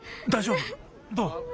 どう？